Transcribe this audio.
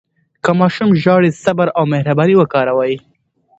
که ماشوم ژاړي، صبر او مهرباني وکاروئ.